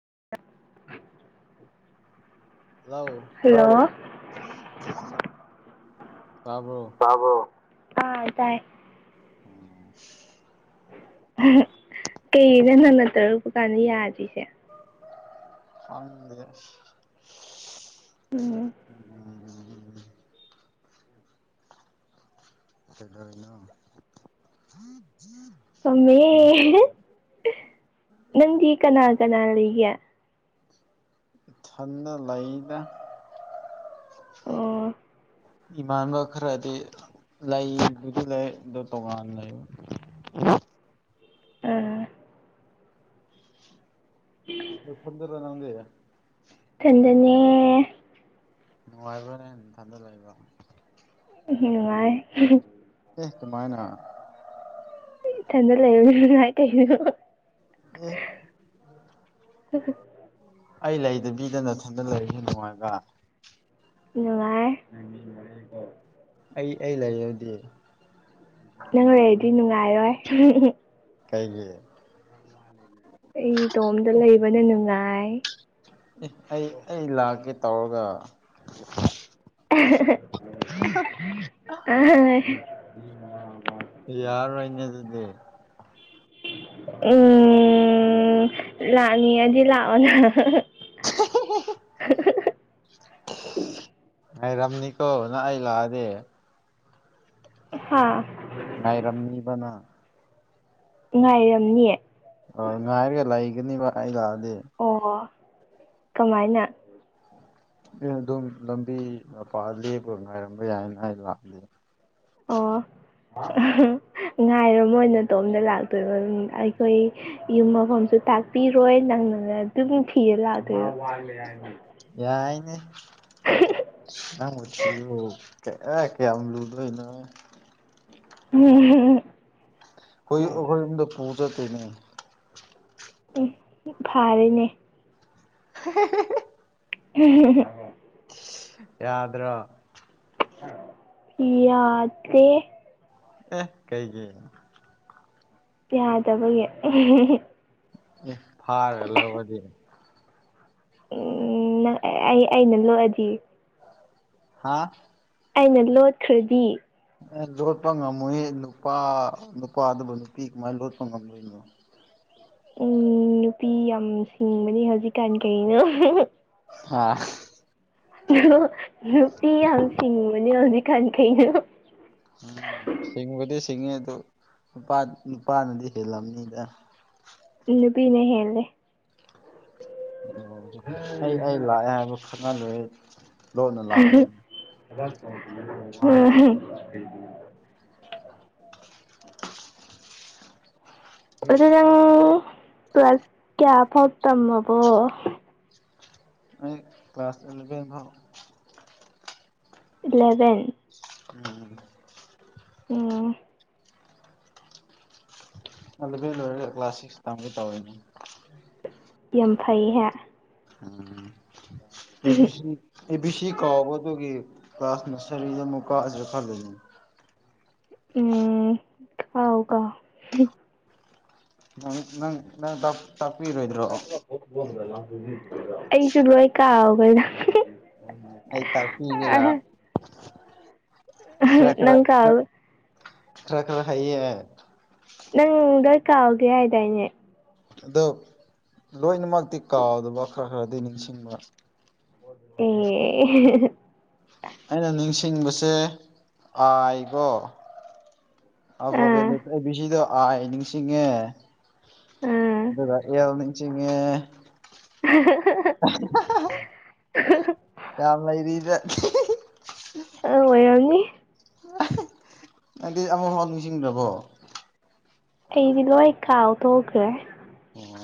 [inaudible] ꯂꯑꯣ ꯍꯜꯂꯣ ꯇꯥꯕꯔꯣ ꯇꯥꯕ꯭ꯔꯣ ꯑꯥ ꯑ ꯇꯥꯏ ꯎꯝ ꯀꯩꯩꯅ ꯅꯪꯟꯅ ꯇꯧꯔꯨꯄ ꯀꯥꯟꯗ ꯌꯥꯗ꯭ꯔꯤꯁꯦ ꯑ [inaudible] ꯎꯝ ꯎꯝ ꯎꯝ ꯀꯗꯧꯔꯤꯅꯣ ꯅꯪꯗꯤ ꯀꯅꯥ ꯀꯅꯥ ꯂꯩꯒꯦ ꯏꯊꯟꯗ ꯂꯩꯗ ꯑꯣ ꯏꯃꯥꯟꯅꯕ ꯈꯔꯗꯤ ꯂꯩꯗꯨꯗꯤ ꯂꯩ ꯑꯗꯨ ꯇꯣꯉꯥꯟ ꯂꯩꯕ ꯑ ꯐꯗꯔ ꯅꯪꯒꯦ ꯈꯟꯖꯅꯦ ꯅꯨꯡꯉꯥꯏꯕꯅꯦ ꯊꯟꯗ ꯂꯩꯕ ꯎꯝ ꯃꯥ ꯑꯦ ꯇꯃꯥꯏꯅ ꯆꯟ ꯂꯩ ꯏꯥꯏ ꯇ ꯏꯣ ꯑ ꯑꯩ ꯂꯩꯗꯕꯤꯗ ꯅꯊꯟꯗ ꯂꯩꯔꯤꯁꯦ ꯅꯨꯡꯉꯥꯏꯕ ꯅꯨꯡꯉꯥꯏ ꯑꯩ ꯑꯩ ꯂꯩꯔꯗꯦ ꯅꯪ ꯍꯔꯦꯗꯤ ꯅꯨꯡꯉꯥꯏꯔꯣꯏ ꯀꯩꯒꯤ ꯑꯩ ꯏꯇꯣꯝꯇ ꯂꯩꯕꯅ ꯅꯨꯡꯉꯥꯏ ꯑꯦ ꯑꯩ ꯑꯩ ꯂꯥꯛꯀꯦ ꯇꯧꯔꯒ [unintelligible] ꯌꯥꯔꯔꯣꯏꯅꯦ ꯑꯗꯨꯗꯤ ꯎꯝ ꯂꯥꯛꯅꯤꯡꯉꯗꯤ ꯂꯥꯛꯑꯣꯅ [unintelligible] ꯉꯔꯝꯅꯤꯀꯣ ꯅꯪ ꯑꯩ ꯂꯥꯛꯑꯗꯤ ꯍꯥꯥ ꯉꯔꯝꯃꯤꯕꯅꯥ ꯉꯥꯏꯔꯝꯅꯤꯌꯦ ꯑ ꯉꯥꯏꯔꯒ ꯂꯩꯒꯅꯤꯕ ꯑꯩ ꯂꯥꯛꯑꯒ ꯑꯣ ꯀꯃꯥꯏꯅ ꯑꯦ ꯑꯗꯨꯝ ꯂꯝꯕꯤ ꯂꯝꯄꯥ ꯂꯦꯞꯄ ꯉꯥꯏꯔꯝꯕ ꯌꯥꯏꯅ ꯑꯩ ꯂꯥꯛꯂ ꯑꯣ ꯉꯥꯏꯔ ꯑꯣꯏꯅ ꯇꯣꯝꯗ ꯂꯥꯛꯇꯣꯏꯕ ꯑꯩꯈꯣꯏ ꯌꯨꯝ ꯃꯐꯝꯁꯨ ꯇꯥꯛꯄꯤꯔꯣꯏ ꯅꯪ ꯑꯗꯨꯝ ꯃꯤ ꯊꯌ ꯂꯗ ꯌꯥꯏꯅꯦ ꯑ ꯊ ꯑꯦ ꯀꯌꯥꯝ ꯌꯥꯝ ꯂꯨꯗꯣꯏꯅ ꯎꯝ ꯍꯣꯏ ꯑꯩꯈꯣꯏꯗ ꯄꯨ ꯇ ꯇꯅꯤ ꯎꯝ ꯐꯔꯅꯦ [unintelligible] [unintelligible] ꯌꯥꯗ꯭ꯔꯣ ꯀꯌꯥꯗꯦ ꯑꯦ ꯀꯩꯒꯤ ꯌꯥꯗꯕꯒꯤ ꯐꯔ ꯂꯧꯔꯗꯤ ꯎꯝ ꯅꯪ ꯑꯩ ꯑꯩꯅ ꯂꯣꯛꯑꯗꯤ ꯍꯥꯥ ꯑꯩꯅ ꯂꯣꯠꯈ꯭ꯔꯗꯤ ꯑꯦ ꯂꯣꯠꯄ ꯉꯝꯃꯣꯏ ꯅꯨꯄꯥ ꯅꯨꯄꯥ ꯑꯗꯨꯕꯨ ꯅꯨꯄꯤ ꯀꯃꯥꯏꯅ ꯂꯣꯠꯄ ꯉꯝꯗꯣꯏꯅꯣ ꯎꯝ ꯅꯨꯄꯤ ꯌꯥꯝ ꯁꯤꯡꯕꯅꯤ ꯍꯧꯖꯤꯛꯀꯥꯟ ꯀꯩꯅꯣ ꯍꯥ ꯍꯥ ꯑꯥ ꯅꯨꯄꯤ ꯌꯥꯝ ꯁꯤꯡꯕꯅꯦ ꯍꯧꯖꯤꯛ ꯀꯥꯟ ꯈꯩꯅꯣ ꯇꯤꯡꯉꯦ ꯑꯗꯨ ꯅꯨꯄꯥ ꯅꯨꯄꯥꯅꯗꯤ ꯍꯦꯜꯂꯝꯅꯤꯗ ꯄꯤꯅꯨꯄꯤꯅꯦ ꯍꯦꯂꯦ ꯅꯨꯉꯧꯖꯦ ꯑꯩ ꯑꯩ ꯂꯥꯛꯑꯦ ꯍꯥꯏꯕ ꯈꯪꯍꯜꯂꯦ ꯎꯝ [unintelligible] ꯑꯗꯨ ꯅꯪ ꯄ꯭ꯂꯁ ꯀꯌꯥ ꯐꯥꯎ ꯇꯃꯕꯣ ꯑꯩ ꯀ꯭ꯂꯥꯁ ꯏꯂꯚꯦꯟ ꯕꯥꯎ ꯏꯂꯚꯦꯟ ꯎꯝ ꯎꯪ ꯑꯂꯚꯦꯟ ꯂꯣꯏꯔꯒ ꯀ꯭ꯂꯥꯁ ꯁꯤꯛꯁ ꯇꯝꯒꯦ ꯇꯧꯔꯤꯅꯤ ꯌꯥꯝ ꯐꯩꯍꯦ ꯎꯝ ꯑꯦꯕꯤ ꯁꯤ ꯑꯦꯕꯤ ꯁꯤ ꯀꯥꯎꯕ ꯗꯨꯒꯤ ꯀ꯭ꯂꯥꯁ ꯅꯁꯔꯤꯗ ꯃꯨꯛ ꯀꯥꯖꯤꯔꯥ ꯈꯜꯂꯤꯅꯤ ꯎꯝ ꯀꯥꯎ ꯀꯥꯎ ꯍꯨꯝ ꯅꯪ ꯅꯪ ꯅꯪ ꯇꯥꯛ ꯇꯥꯛꯄꯤ ꯔꯣꯏꯗꯔꯣ ꯑꯩꯁꯨ ꯂꯣꯏ ꯀꯥꯎꯒꯔ꯭ꯦꯗ ꯍꯨꯝ ꯍꯨꯝ ꯑꯩ ꯇꯥꯛꯄꯤꯒꯦ ꯂꯥ ꯈꯔꯥ ꯈꯔꯥ ꯅꯪ ꯀꯥꯎ ꯈꯔ ꯈꯔ ꯈꯔꯥ ꯍꯩꯌꯦ ꯅꯪ ꯗꯔꯀꯥꯎꯒꯦ ꯍꯥꯏꯗꯥꯏꯅꯦ ꯑꯗꯣ ꯂꯣꯏꯅꯃꯛꯇꯤ ꯀꯥꯎꯗꯕ ꯈꯔ ꯈꯔꯗꯤ ꯅꯤꯡꯁꯤꯡꯕ ꯑꯦ ꯍꯦꯍꯦ ꯑꯩꯅ ꯅꯤꯡꯁꯤꯡꯕꯁꯦ ꯑꯥꯏꯒꯣ ꯑꯜꯐꯥꯕꯦꯠ ꯑꯥ ꯂꯦꯇꯔ ꯕꯤꯁꯤꯗꯣ ꯑꯥꯏ ꯅꯤꯡꯁꯤꯡꯉꯦ ꯑꯥ ꯑꯗꯨ ꯑꯜ ꯅꯤꯡꯁꯤꯡꯉꯦ [unintelligible] ꯌꯥꯝ ꯂꯩꯔꯤꯗ ꯏꯍꯤ ꯍꯤꯍꯤ ꯑ ꯑꯣꯏꯔꯝꯅꯤ ꯑꯍꯥ ꯑꯗꯤ ꯑꯃꯐꯥꯎ ꯅꯤꯡꯁꯤꯡꯗꯔꯕꯣ ꯑꯩꯗꯤ ꯂꯣꯏ ꯀꯥꯎꯊꯣꯛꯈ꯭ꯔꯦ ꯑꯣ